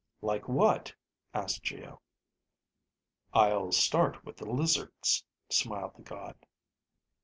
"Like what?" asked Geo. "I'll start with the lizards," smiled the god.